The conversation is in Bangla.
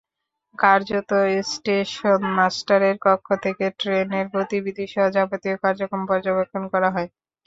কার্যত স্টেশনমাস্টারের কক্ষ থেকে ট্রেনের গতিবিধিসহ যাবতীয় কার্যক্রম পর্যবেক্ষণ করা হয়।